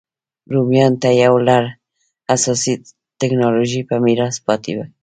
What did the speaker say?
رومیانو ته یو لړ اساسي ټکنالوژۍ په میراث پاتې وې